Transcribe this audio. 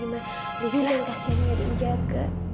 mila kasih aku yang jaga